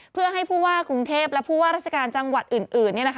เพื่อให้ผู้ว่ากรุงเทพและผู้ว่าราชการจังหวัดอื่น